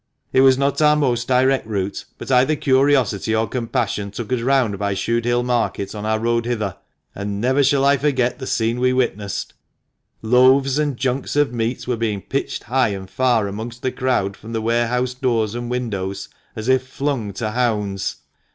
" It was not our most direct route, but either curiosity or compassion took us round by Shude Hill Market on our road hither, and never shall I forget the scene we witnessed. Loaves 306 THE MANCHESTER MAN. and junks of meat were being pitched high and far amongst the crowd from the warehouse doors and windows, as if flung to hounds."